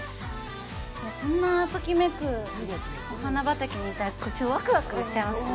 こんなときめくお花畑にいたらちょっとワクワクしちゃいますね。